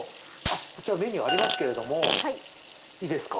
こちらメニューありますけれどもいいですか？